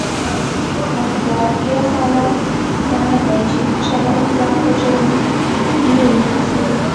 مطبوعاتي رسالت دا نه دی چې د چا د پلار په جرم لور ونیسو.